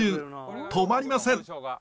止まりません。